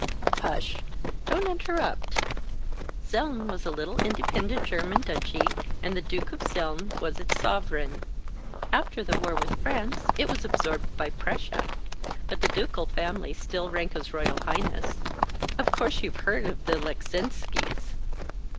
"Hush. Don't interrupt. Zeln was a little independent German duchy, and the Duke of Zeln was its sovereign. After the war with France it was absorbed by Prussia. But the ducal family still rank as royal highness. Of course, you've heard of the Leczinskis?"